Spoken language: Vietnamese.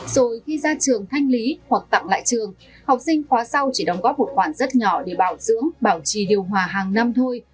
rồi khi ra trường thanh lý hoặc tặng lại trường học sinh khóa sau chỉ đóng góp một khoản rất nhỏ để bảo dưỡng bảo trì điều hòa hàng năm thôi